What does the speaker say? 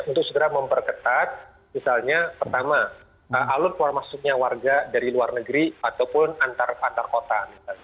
untuk segera memperketat misalnya pertama alur keluar masuknya warga dari luar negeri ataupun antar antar kota